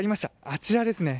あちらですね。